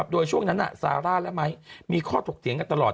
โดยช่วงนั้นซาร่าและไม้มีข้อถกเถียงกันตลอด